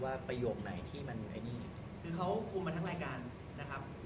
ประโยคไหนที่มันไอ้นี่คือเขาคุมมาทั้งรายการนะครับ